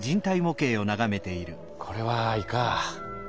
これは胃か。